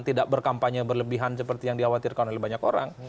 tidak berkampanye berlebihan seperti yang dikhawatirkan oleh banyak orang